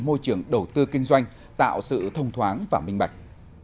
môi trường đầu tư kinh doanh tạo sự thông thoáng và minh bạch